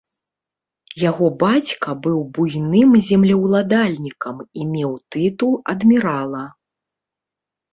Яго бацька быў буйным землеўладальнікам і меў тытул адмірала.